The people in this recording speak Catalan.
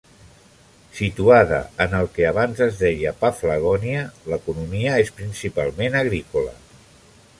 Situada en el que abans es deia Paphlagonia, l'economia és principalment agrícola.